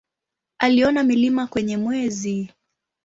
Aliona milima kwenye Mwezi.